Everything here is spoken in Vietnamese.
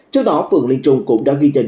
trước đó phường linh trung cũng đã ghi nhận